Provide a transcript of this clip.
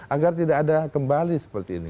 agar tidak ada kembali seperti ini